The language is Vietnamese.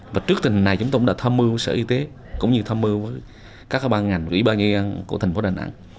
và trước thời gian này chúng tôi cũng đã tham mưu với sở y tế cũng như tham mưu với các bàn ngành quỹ bàn ngay ngang của thành phố đà nẵng